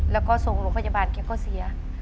แล้วก็ส่งโรงพยาบาลแกก็เสีย